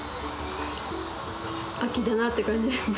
秋だなっていう感じですね。